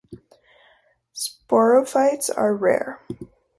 Sporophytes are rare.